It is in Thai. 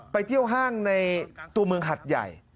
ไปเที่ยวห้างในตัวเมืองหัดใหญ่